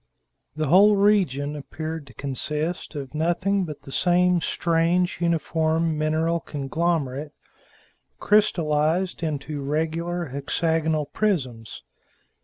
The whole region appeared to consist of nothing but the same strange, uniform mineral conglomerate, crystallized into regular hexagonal prisms.